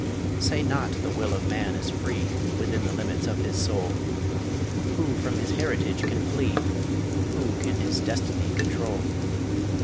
Say not the will of man is free Within the limits of his soul Who from his heritage can flee? Who can his destiny control?